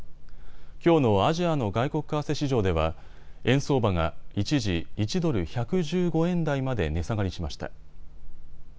きょうのアジアの外国為替市場では円相場が一時、１ドル１１５円台まで値下がりしました。